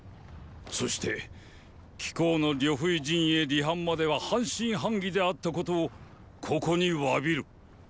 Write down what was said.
そして貴公の呂不韋陣営離反までは半信半疑であったことをここに詫びる。